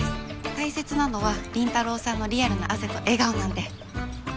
大切なのは倫太郎さんのリアルな汗と笑顔なんで！